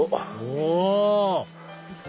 お！